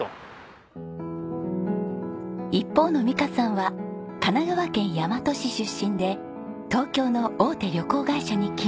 一方の美香さんは神奈川県大和市出身で東京の大手旅行会社に勤務。